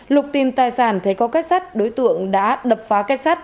lục tìm tài sản thấy có cách sát đối tượng đã đập phá cách sát